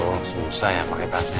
wah susah ya pakai tasnya